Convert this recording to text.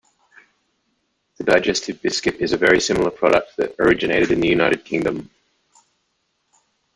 The digestive biscuit is a very similar product that originated in the United Kingdom.